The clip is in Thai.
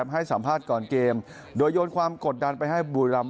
ให้สัมภาษณ์ก่อนเกมโดยโยนความกดดันไปให้บุรีรำ